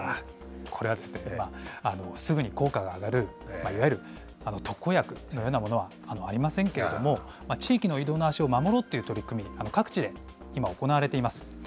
これはすぐに効果が上がる、いわゆる特効薬のようなものはありませんけれども、地域の移動の足を守ろうという取り組み、各地で今、行われています。